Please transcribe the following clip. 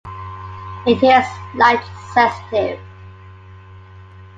It is light sensitive.